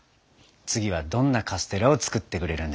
次はどんなカステラを作ってくれるんでしょう。